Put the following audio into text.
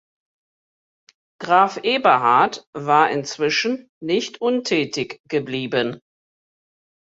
Graf Eberhard war inzwischen nicht untätig geblieben.